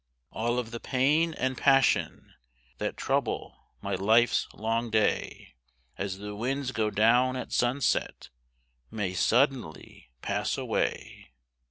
All of the pain and passion That trouble my life's long day As the winds go down at sunset, May suddenly pass away.